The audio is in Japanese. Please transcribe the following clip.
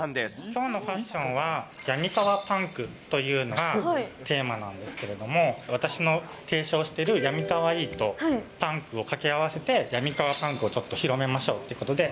きょうのファッションは、病みかわパンクというのがテーマなんですけれども、私の提唱している病みかわいいと、パンクを掛け合わせて、病みかわパンクをちょっと広めましょうということで。